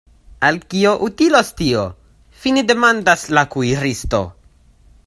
Al kio utilos tio?fine demandas la kuiristo.